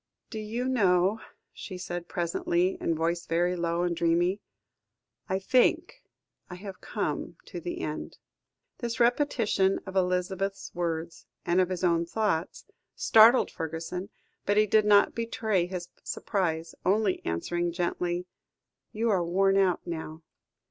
"Do you know," she said presently, her voice very low and dreamy. "I think I have come to the end." This repetition of Elizabeth's words, and of his own thoughts, startled Fergusson, but he did not betray his surprise, only answering gently "You are worn out now.